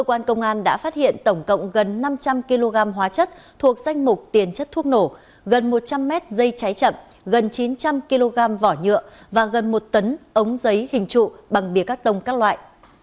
gần một trăm linh m dây cháy chậm gần chín trăm linh kg vỏ nhựa và gần một tấn ống giấy hình trụ bằng bia cắt tông các loại